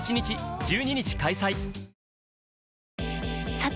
さて！